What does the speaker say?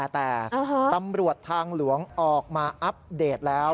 แต่ตำรวจทางหลวงออกมาอัปเดตแล้ว